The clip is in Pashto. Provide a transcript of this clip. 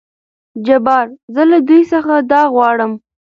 جبار : زه له دوي څخه دا غواړم.